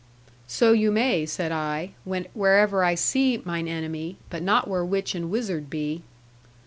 'So you may,' said I, 'wherever I see mine enemy; but not where witch and wizard be.'